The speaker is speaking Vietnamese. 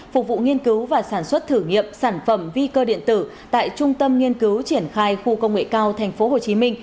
phục vụ nghiên cứu và sản xuất thử nghiệm sản phẩm vi cơ điện tử tại trung tâm nghiên cứu triển khai khu công nghệ cao tp hcm